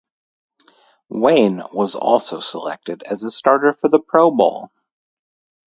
Wayne was also selected as a starter the Pro Bowl.